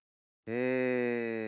うん。